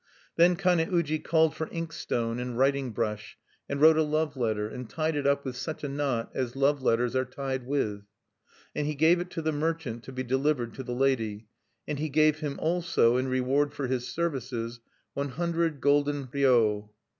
Then Kane uji called for inkstone and writing brush, and wrote a love letter, and tied it up with such a knot as love letters are tied with. And he gave it to the merchant to be delivered to the lady; and he gave him also, in reward for his services, one hundred golden ryo.